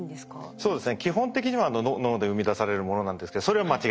そうですね。